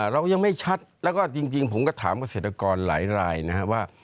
เรายังไม่ชัดแล้วก็จริงผมก็ถามเกษตรกรหลายรายนะครับว่า